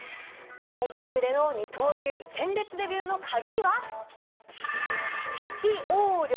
大リーグでの二刀流鮮烈デビューの鍵は適応力。